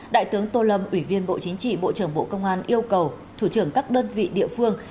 đại tướng tô lâm ủy viên bộ chính trị bộ trưởng bộ công an yêu cầu thủ trưởng các đơn vị địa phương